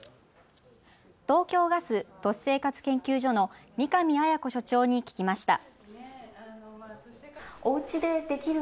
東京ガス都市生活研究所の三神彩子所長に聞きました。